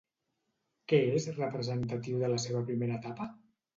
Què és representatiu de la seva primera etapa?